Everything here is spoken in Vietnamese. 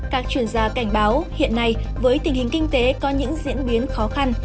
các chuyên gia cảnh báo hiện nay với tình hình kinh tế có những diễn biến khó khăn